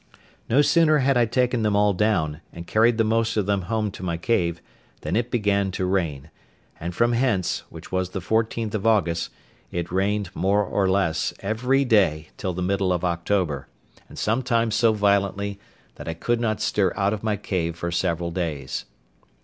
No sooner had I taken them all down, and carried the most of them home to my cave, than it began to rain; and from hence, which was the 14th of August, it rained, more or less, every day till the middle of October; and sometimes so violently, that I could not stir out of my cave for several days.